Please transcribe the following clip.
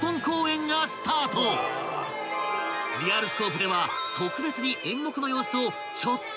［『リアルスコープ』では特別に］